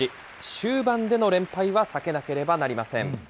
終盤での連敗は避けなければなりません。